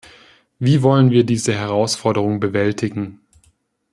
Wie wollen wir diese Herausforderung bewältigen?